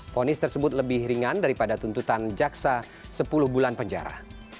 fonis tersebut lebih ringan daripada tuntutan jaksa sepuluh bulan penjara